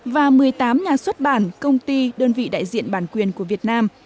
và một mươi tám nhà xuất bản công ty đơn vị đại diện bản quyền của việt nam